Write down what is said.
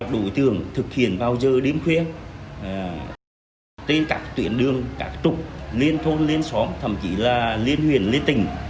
đối tượng thực hiện vào giờ đêm khuya trên các tuyển đường các trục lên thôn lên xóm thậm chí là liên huyền lên tỉnh